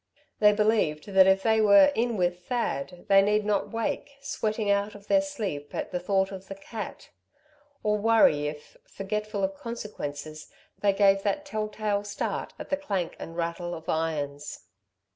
They believed that if they were "in with Thad," they need not wake, sweating, out of their sleep at the thought of the "cat," or worry if, forgetful of consequences, they gave that tell tale start at the clank and rattle of irons.